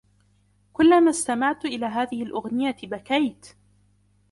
كلما استمعت إلى هذه الأغنية بكيت.